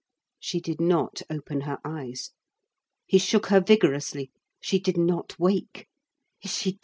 She did not open her eyes. He shook her vigorously. She did not wake.